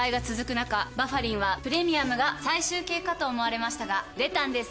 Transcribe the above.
中「バファリン」はプレミアムが最終形かと思われましたが出たんです